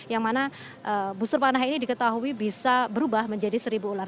yang mana busur panah ini diketahui bisa berubah menjadi seribu ular